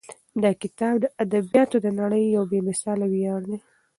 دا کتاب د ادبیاتو د نړۍ یو بې مثاله ویاړ دی.